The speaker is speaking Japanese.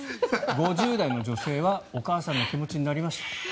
５０代の女性はお母さんの気持ちになりました